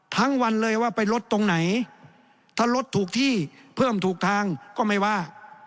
ทั้งวันเลยว่าไปลดตรงไหนถ้ารถถูกที่เพิ่มถูกทางก็ไม่ว่า